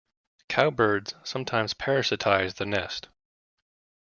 Cowbirds sometimes parasitise the nest.